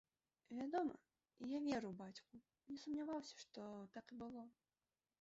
Вядома, я верыў бацьку, не сумняваўся, што так і было.